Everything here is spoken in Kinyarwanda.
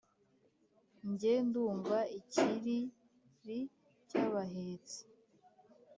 Njye ndumva ikiriri cy’abahetsi